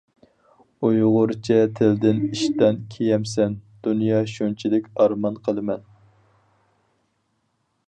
ئۇيغۇرچە تىلدىن ئىشتان كىيەمسەن؟ دۇنيا شۇنچىلىك ئارمان قىلىمەن.